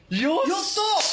やった。